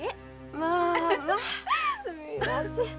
まあまあすみません。